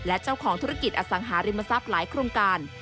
และเจ้าของธุรกิจอสังหาริมทรัพย์หลายโครงการ